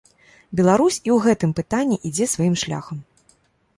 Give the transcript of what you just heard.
Беларусь і ў гэтым пытанні ідзе сваім шляхам.